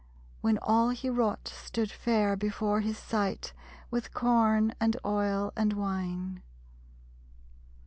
When all he wrought stood fair before his sight With corn, and oil, and wine.